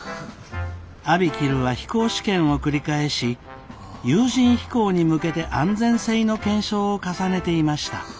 ＡＢＩＫＩＬＵは飛行試験を繰り返し有人飛行に向けて安全性の検証を重ねていました。